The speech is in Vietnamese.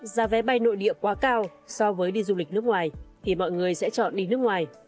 giá vé bay nội địa quá cao so với đi du lịch nước ngoài thì mọi người sẽ chọn đi nước ngoài